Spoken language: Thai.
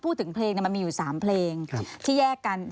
เพลงมันมีอยู่๓เพลงที่แยกกัน